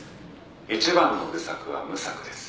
「一番の愚策は無策です。